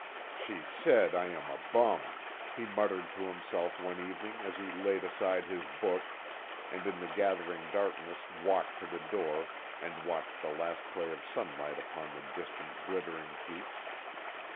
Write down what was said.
"She said I am a bum," he muttered to himself one evening as he laid aside his book, and in the gathering darkness walked to the door and watched the last play of sunlight upon the distant glittering peaks.